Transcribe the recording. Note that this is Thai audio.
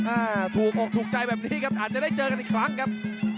อ่าถูกอกถูกใจแบบนี้ครับอาจจะได้เจอกันอีกครั้งครับ